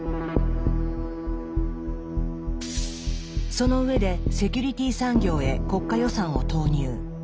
その上でセキュリティ産業へ国家予算を投入。